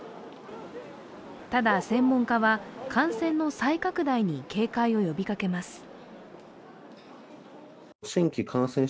ただ、専門家は、感染の再拡大に警戒を呼びかけます。